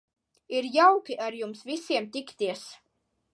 Ir jauki ar jums visiem tikties.